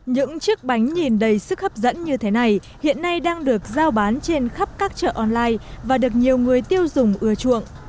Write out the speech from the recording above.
những chiếc bánh nhìn đầy sức hấp dẫn như thế này hiện nay đang được giao bán trên khắp các chợ online và được nhiều người tiêu dùng ưa chuộng